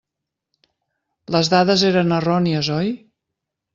Les dades eren errònies, oi?